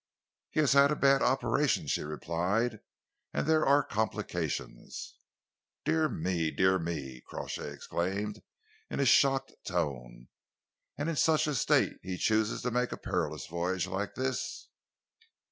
"He has had a bad operation," she replied, "and there are complications." "Dear me! Dear me!" Crawshay exclaimed, in a shocked tone. "And in such a state he chooses to make a perilous voyage like this?"